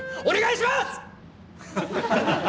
お願いします！